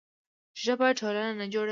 ژبه ټولنه نه جوړوي.